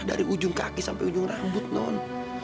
dari ujung kaki sampai ujung rambut non